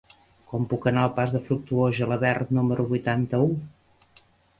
Com puc anar al pas de Fructuós Gelabert número vuitanta-u?